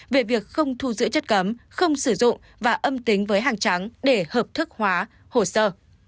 về việc không thu giữ chất cấm không sử dụng và âm tính với hàng trắng để hợp thức hóa hồ sơ